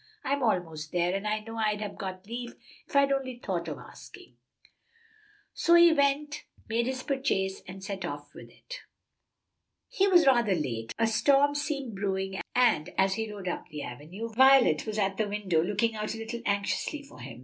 I'm almost there, and I know I'd have got leave if I'd only thought of asking." So on he went, made his purchase, and set off home with it. He was rather late: a storm seemed brewing, and as he rode up the avenue Violet was at the window looking out a little anxiously for him.